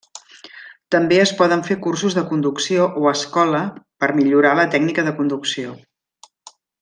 També es poden fer cursos de conducció o escola per millorar la tècnica de conducció.